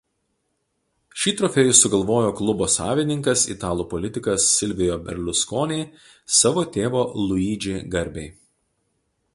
Šį trofėjų sugalvojo klubo savininkas italų politikas Silvio Berlusconi savo tėvo Luigi garbei.